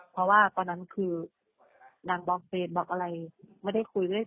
เพราะตอนนั้นบล็อกเฟนบอกอะไรไม่ได้คุยหรอก